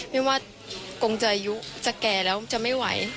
ไม่ว่ากงจะอายุจะแก่แล้วจะไม่ไหว